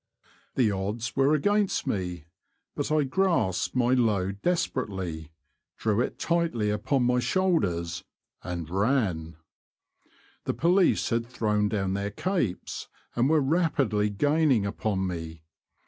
The odds were against me, but I grasped my load desperately, drew it tightly upon my shoulders, and ran. The police had thrown down their capes, and were rapidly gaining upon me.